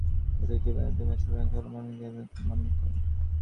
প্রত্যেক জীবে তিনি বাস করেন, সকল মন দিয়া তিনি মনন করেন।